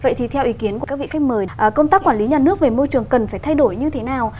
vậy thì theo ý kiến của các vị khách mời công tác quản lý nhà nước về môi trường cần phải thay đổi như thế nào